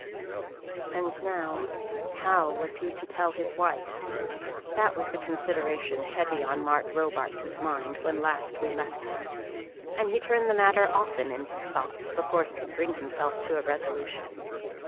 And now how was he to tell his wife? That was the consideration heavy on Mark Robarts' mind when last we left him; and he turned the matter often in his thoughts before he could bring himself to a resolution.